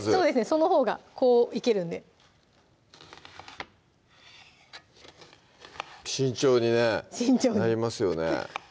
そのほうがこういけるんで慎重にねなりますよね